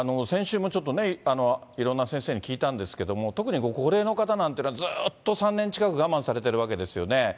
先週もちょっとね、いろんな先生に聞いたんですけれども、特にご高齢の方なんていうのは、ずーっと３年近く我慢されてるわけですよね。